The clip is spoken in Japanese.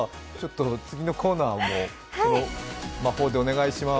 次のコーナーも魔法でお願いしまーす。